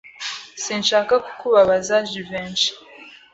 Sinshaka kukubabaza, Jivency.